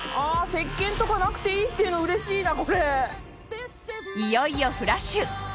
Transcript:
石鹸とかなくていいっていうのうれしいな。